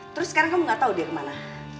terus sekarang kamu gak tau dia kemana